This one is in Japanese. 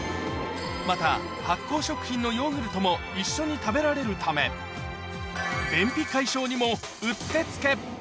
また発酵食品のヨーグルトも一緒に食べられるため便秘解消にもうってつけ